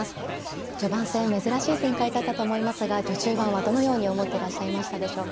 序盤戦珍しい展開だったと思いますが序中盤はどのように思っていらっしゃいましたでしょうか。